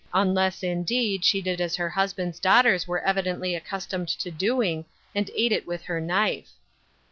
— unless, indeed, she did as her husband's daughters were evidently accustomed to doing, and ate it with her knife.